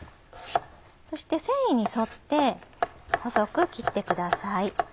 そして繊維に沿って細く切ってください。